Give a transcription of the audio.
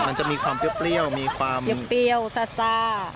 มันจะมีความเปรี้ยวเปรี้ยวซาซา